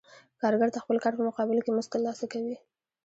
کارګر د خپل کار په مقابل کې مزد ترلاسه کوي